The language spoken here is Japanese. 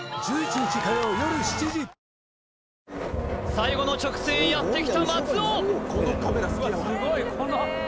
最後の直線へやってきた松尾！